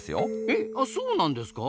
えそうなんですか？